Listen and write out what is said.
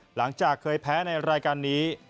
หลังจากเคยแพ้ในรายการนี้